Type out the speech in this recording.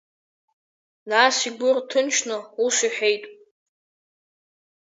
Нас игәы рҭынчны ус иҳәеит…